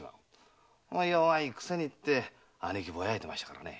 「弱いくせに」って姉貴ぼやいてましたからね。